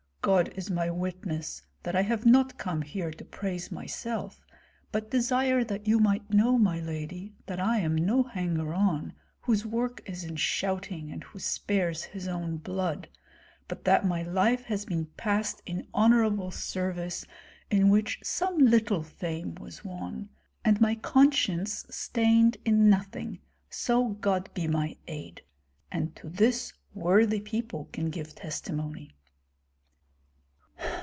God is my witness that I have not come here to praise myself, but desire that you might know, my lady, that I am no hanger on, whose work is in shouting and who spares his own blood, but that my life has been passed in honorable service in which some little fame was won, and my conscience stained in nothing, so God be my aid! And to this worthy people can give testimony."